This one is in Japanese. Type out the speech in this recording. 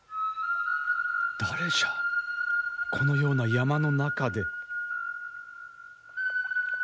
誰じゃこのような山の中で。